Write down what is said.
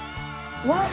うわっ！